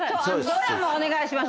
ドラマお願いします。